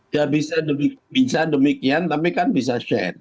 ya bisa demikian tapi kan bisa share